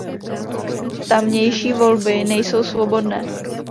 Tamější volby nejsou svobodné.